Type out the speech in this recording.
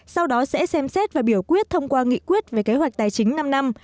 sau đó sẽ xem xét và biểu quyết thông qua nghị quyết về kế hoạch tài chính năm năm